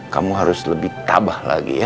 kamu harus lebih tabah lagi ya